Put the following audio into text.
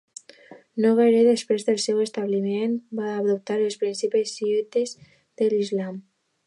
No gaire després del seu establiment va adoptar els principis xiïtes de l'islam.